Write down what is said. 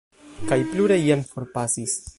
Kaj pluraj jam forpasis.